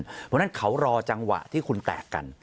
เพราะฉะนั้นเขารอจังหวะที่คุณแตกกัน